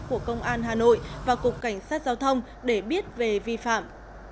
của công an hà nội và cục cảnh sát giao thông để biết về vi phạm